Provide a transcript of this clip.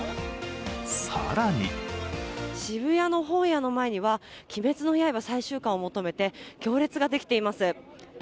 更に渋谷の本屋の前には「鬼滅の刃」最終刊を求めて行列ができています。